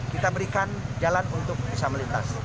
kita berikan jalan untuk bisa melintas